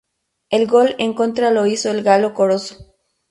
El gol en contra lo hizo el Galo Corozo.